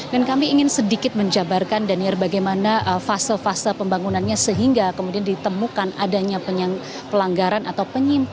dan kami ingin sedikit menjabarkan daniar bagaimana fase fase pembangunannya sehingga kemudian ditemukan adanya pelanggaran atau penyimpangan terkait dengan pengadaan bts ini